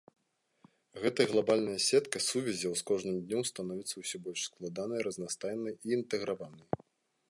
Гэтая глабальная сетка сувязяў з кожным днём становіцца ўсё больш складанай, разнастайнай і інтэграванай.